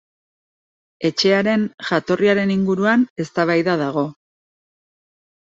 Etxearen jatorriaren inguruan eztabaida dago.